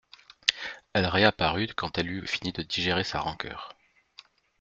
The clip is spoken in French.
Elle réapparut quand elle eut fini de digérer sa rancœur.